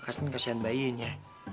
kasih kasihan bayinya